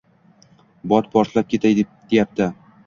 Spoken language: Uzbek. Bot portlab ketay deyapti.